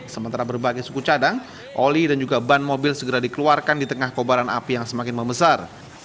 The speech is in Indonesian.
sementara berbagai suku cadang oli dan juga ban mobil segera dikeluarkan di tengah kobaran api yang semakin membesar